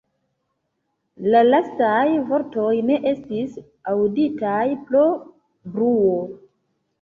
La lastaj vortoj ne estis aŭditaj pro bruo.